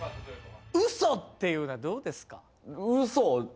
嘘っていうのはどうですか？